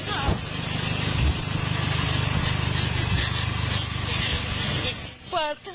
เปิดทางให้วรวุฒิวิรสักษ์ออกมาด้วยครับ